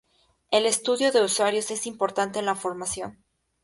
El estudio de usuarios es importante en la formación.